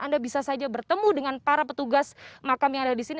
anda bisa saja bertemu dengan para petugas makam yang ada di sini